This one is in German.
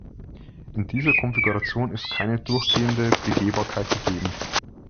In dieser Konfiguration ist keine durchgehende Begehbarkeit gegeben.